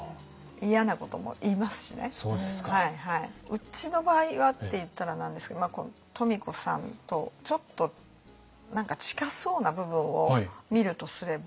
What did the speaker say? うちの場合はって言ったらなんですけど富子さんとちょっと何か近そうな部分を見るとすれば。